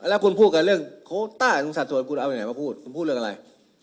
แล้วคุณพูดกับเรื่องโคต้าของสัดส่วนคุณเอาไหนมาพูดคุณพูดเรื่องอะไร